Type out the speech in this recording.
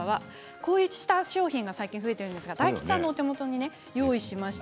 こういった商品が今最近増えているんですが、大吉さんの手元にご用意しました。